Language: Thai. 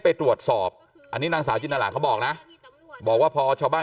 ไปตรวจสอบอันนี้นางสาวจินตราเขาบอกนะบอกว่าพอชาวบ้าน